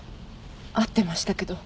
会ってましたけど。